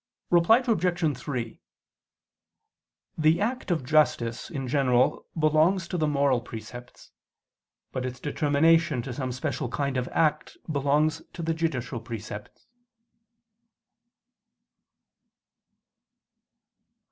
Reply Obj. 3: The act of justice, in general, belongs to the moral precepts; but its determination to some special kind of act belongs to the judicial precepts.